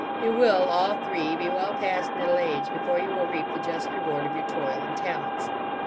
You will, all three, be well past middle age before you will reap the just reward of your toil and talents.